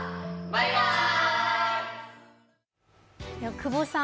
久保さん